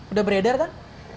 udah beredar kan